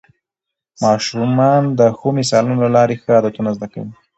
ماشومان د ښو مثالونو له لارې ښه عادتونه زده کوي